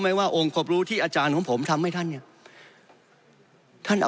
ว่าองค์ความรู้ที่อาจารย์ของผมทำให้ท่านเนี่ยท่านเอา